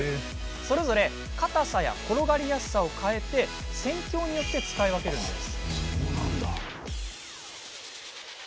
それぞれ硬さや転がりやすさを変えて戦況によって使い分けるんです。